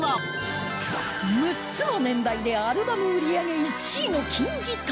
６つの年代でアルバム売り上げ１位の金字塔